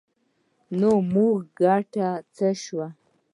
نو زموږ ګټه څه شوه؟